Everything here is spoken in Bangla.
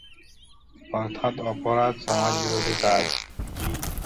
অর্থাৎ অপরাধ সমাজ বিরোধী কাজ।